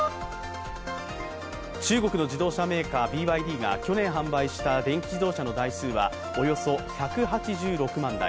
中国の自動車メーカー・ＢＹＤが去年販売した電気自動車の台数はおよそ１８６万台。